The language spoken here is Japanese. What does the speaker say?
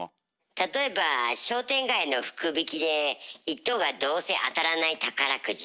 例えば商店街の福引きで１等がどうせ当たらない宝くじ。